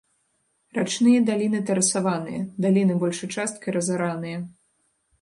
Рачныя даліны тэрасаваныя, даліны большай часткай разараныя.